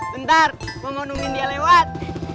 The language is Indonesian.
bentar gue mau nunggin dia lewat